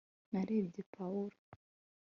narebye pawulo